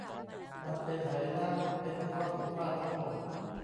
มันเป็นหายนะ เป็นข้อผิดพลาดทั้งหมด